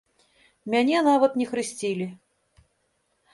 Мяне нават не хрысцілі.